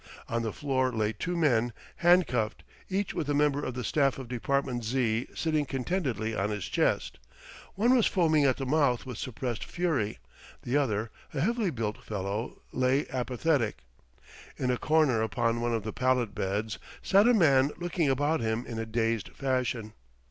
On the floor lay two men, handcuffed, each with a member of the staff of Department Z. sitting contentedly on his chest. One was foaming at the mouth with suppressed fury, the other, a heavily built fellow, lay apathetic. In a corner upon one of the pallet beds sat a man looking about him in a dazed fashion.